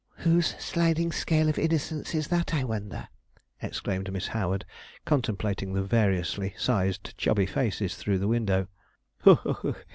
'Whose sliding scale of innocence is that, I wonder!' exclaimed Miss Howard, contemplating the variously sized chubby faces through the window.